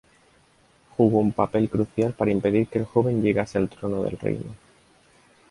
Jugó un papel crucial para impedir que el joven llegase al trono del reino.